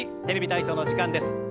「テレビ体操」の時間です。